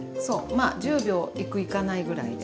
まあ１０秒いくいかないぐらいで。